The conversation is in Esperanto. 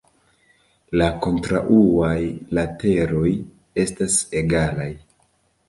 La kontraŭaj lateroj estas egalaj.